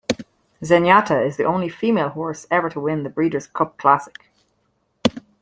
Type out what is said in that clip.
Zenyatta is the only female horse ever to win the Breeders' Cup Classic.